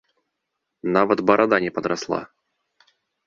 Нават барада не падрасла.